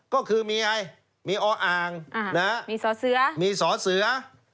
ก็คือมีอะไรมีอ้ออ่างมีสอเสือ